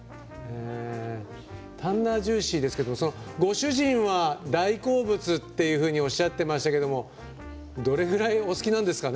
タンナージューシーですけどご主人は大好物っていうふうにおっしゃってましたけどどれぐらいお好きなんですかね。